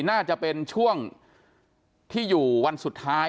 น่าจะเป็นช่วงที่อยู่วันสุดท้าย